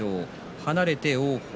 離れて王鵬。